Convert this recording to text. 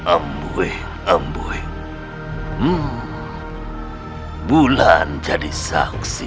embuih embuih bulan jadi saksi